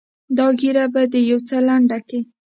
دا ږيره به دې يو څه لنډه کې.